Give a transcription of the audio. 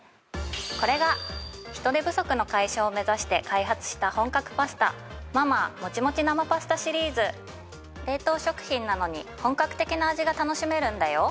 これが人手不足の解消を目指して開発した本格パスタ冷凍食品なのに本格的な味が楽しめるんだよ